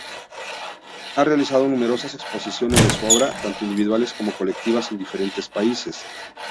Ha realizado numerosas exposiciones de su obra, tanto individuales como colectivas en diferentes países.